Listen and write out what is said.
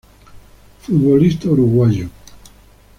Futbolista Uruguayo.